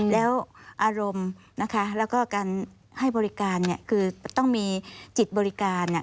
แล้วอารมณ์นะคะแล้วก็การให้บริการเนี่ยคือต้องมีจิตบริการเนี่ย